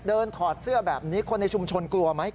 ถอดเสื้อแบบนี้คนในชุมชนกลัวไหม